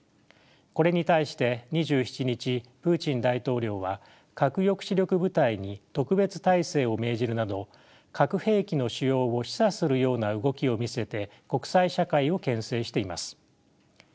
これに対して２７日プーチン大統領は核抑止力部隊に特別態勢を命じるなど核兵器の使用を示唆するような動きを見せて国際社会をけん制しています。